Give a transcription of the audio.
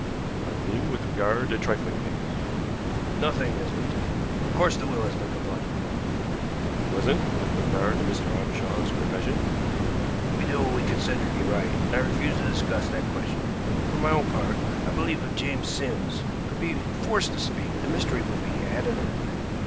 "I mean with regard to trifling things." "Nothing has been taken. Of course the will has been complied with." "It wasn't with regard to Mr. Ottershaw's cremation." "We did what we considered to be right, and I refuse to discuss that question. For my own part, I believe if James Sims could be forced to speak the mystery would be at an end.